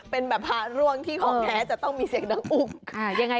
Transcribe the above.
เป็นแบบพาร่วงที่จับจะมีเสียงน้ำอุ้ง